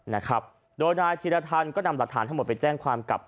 นะครับโดยนายธีรธรรมก็นำหลักฐานทั้งหมดไปแจ้งความกับ